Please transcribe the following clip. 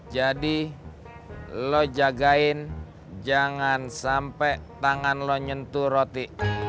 jadi lo jagain jangan sampai tangan lo nyentuh roti